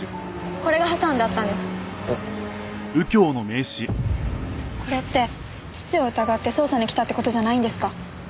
これって父を疑って捜査に来たって事じゃないんですか？